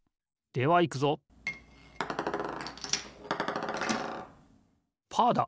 ではいくぞパーだ！